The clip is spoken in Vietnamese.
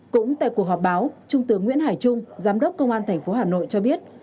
cũng tại cuộc họp báo trung tướng nguyễn hải trung giám đốc công an tp hà nội cho biết